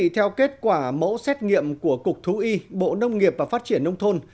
theo kết quả mẫu xét nghiệm của cục thú y bộ nông nghiệp và phát triển nông thôn